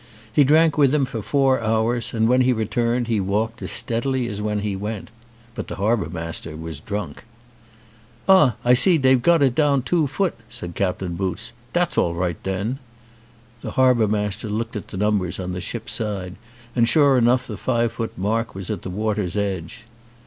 He drank with him for four hours, and when he returned he walked as steadily as when he went. But the harbour master was drunk. "Ah, I see dey've got it down two foot," said Captain Boots. "Dat's all right den." The harbour master looked at the numbers on the ship's side and sure enough the five foot mark was at the water's edge.